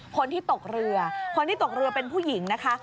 คนที่ตกเรือเป็นผู้หญิงนะคะ